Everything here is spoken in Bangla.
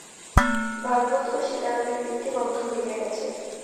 ভাগবত ও সীতারামের বৃত্তি বন্ধ হইয়া গেছে!